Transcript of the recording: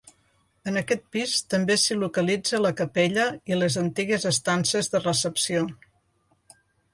En aquest pis també s'hi localitza la capella i les antigues estances de recepció.